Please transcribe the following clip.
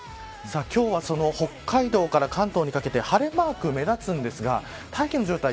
今日は北海道から関東にかけて晴れマーク、目立つんですが大気の状態